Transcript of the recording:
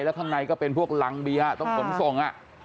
แล้วข้างในก็เป็นพวกรังเบียร์ต้องขนส่ง